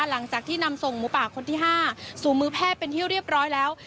หลังจากที่นำส่งหมูป่าคนที่๕สู่มือแพทย์เป็นที่เรียบร้อยแล้ว